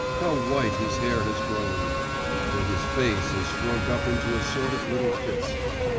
how white his hair has grown! and his face has shrunk up into a sort of little fist.